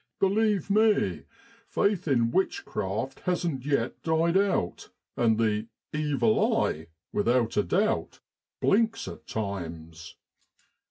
1 Believe me, faith in witchcraft hasn't yet died out, and the ' evil eye,' with out a doubt, blinks at times.